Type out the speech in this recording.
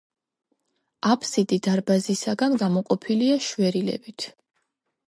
აბსიდი დარბაზისაგან გამოყოფილია შვერილებით.